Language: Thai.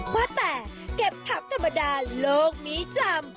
ว่าแต่เก็บผักธรรมดาโลกนี้จำ